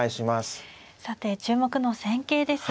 さて注目の戦型ですが。